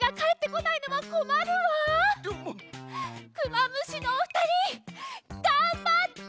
クマムシのおふたりがんばって！